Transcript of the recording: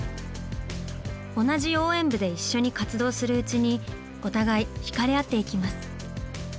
同じ応援部で一緒に活動するうちにお互い惹かれ合っていきます。